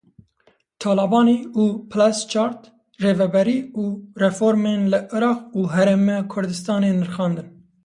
Talebanî û Plasschaert rêveberî û reformên li Iraq û Herêma Kurdistanê nirxandin.